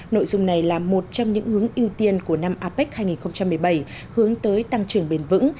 nội dung này là một trong những hướng ưu tiên của năm apec hai nghìn một mươi bảy hướng tới tăng trưởng bền vững